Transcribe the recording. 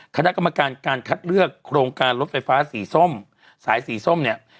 คกการคัดเลือกโครงการรถไฟฟ้าสายสีส้มเนี่ย